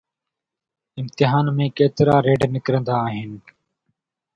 امتحان ۾ ڪيترا ريڊ نڪرندا آهن؟